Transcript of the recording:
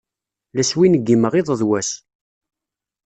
La swingimeɣ iḍ d wass.